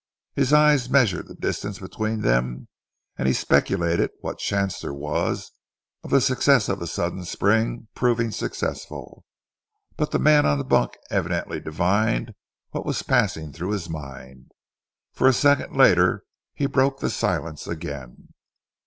His eyes measured the distance between them and he speculated what chance there was of the success of a sudden spring proving successful. But the man on the bunk evidently divined what was passing through his mind, for a second later he broke the silence again.